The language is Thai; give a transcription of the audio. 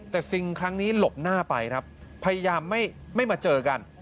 แต่ซิงธรรมนาจารย์ครั้งนี้หลบหน้าไปพยายามไม่มาเจอกัน